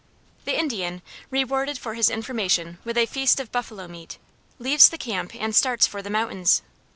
The Indian, rewarded for his information with a feast of buffalo meat, leaves the camp and starts for the mountains.